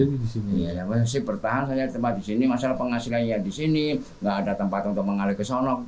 ada masih ada beberapa yang masih bisa ditumbuhi pak